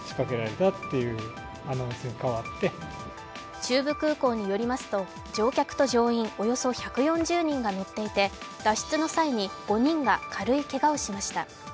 中部空港によりますと乗客と乗員およそ１４０人が乗っていて脱出の際に５人が軽いけがをしました。